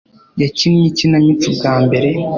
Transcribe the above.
yakinnye ikinamico bwa mbere